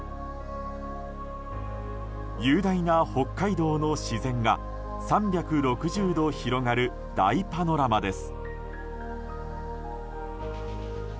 雄大な北海道の自然が３６０度広がる大パノラマです。